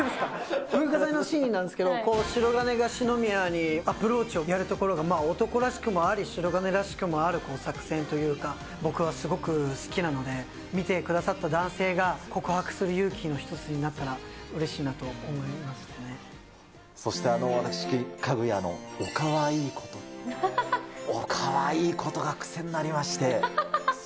文化祭のシーンなんですけど、白銀が四宮にアプローチをやるところが、僕らしくもあり、白銀らしくもある作戦というか、僕はすごく好きなので、見てくださった男性が告白する勇気の一つになったらうれしいなと思いますそして、私、かぐやのおかわいいこと、おかわいいことが癖になりまして。